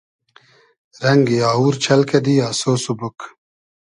رئنگی آوور چئل کئدی آسۉ سوبوگ